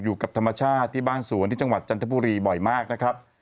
อยู่กับธรรมชาติที่บ้านสวนที่จังหวัดจันทบุรีบ่อยมากนะครับ